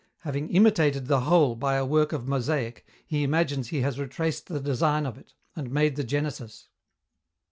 Having imitated the Whole by a work of mosaic, he imagines he has retraced the design of it, and made the genesis.